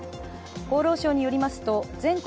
厚労省によりますと全国